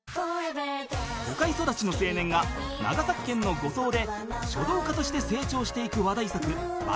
［都会育ちの青年が長崎県の五島で書道家として成長していく話題作『ばらかもん』］